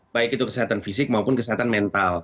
baik itu kesehatan fisik maupun kesehatan mental